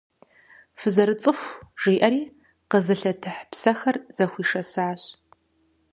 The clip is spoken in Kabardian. Фызэрыцӏыху, — жиӏэри къэзылъэтыхь псэхэр зэхуишэсыжащ.